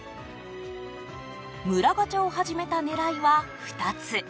村ガチャを始めた狙いは２つ。